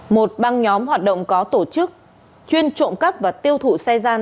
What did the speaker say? một băng nhóm hoạt động có tổ chức chuyên trộm cắp và tiêu thụ xe gian